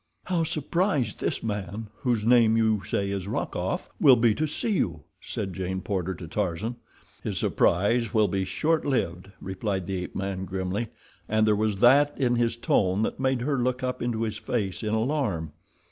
"How surprised this man, whose name you say is Rokoff, will be to see you," said Jane Porter to Tarzan. "His surprise will be short lived," replied the ape man grimly, and there was that in his tone that made her look up into his face in alarm.